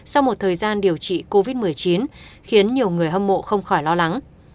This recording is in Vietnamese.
sau một thời gian điều trị covid một mươi chín khiến nhiều người hâm mộ không khỏi lo lắng